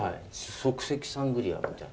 即席サングリアみたいな。